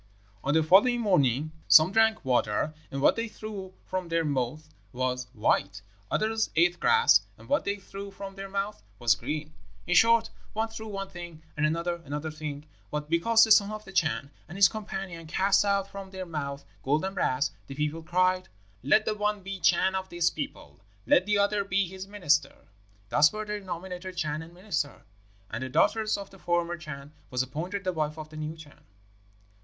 "On the following morning some drank water, and what they threw from their mouths was white; others ate grass, and what they threw from their mouths was green. In short, one threw one thing, and another another thing. But because the son of the Chan and his companion cast out from their mouths gold and brass, the people cried, 'Let the one be Chan of this people let the other be his minister.' Thus were they nominated Chan and minister! And the daughter of the former Chan was appointed the wife of the new Chan.